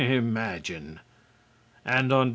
Imagine! And on Dec.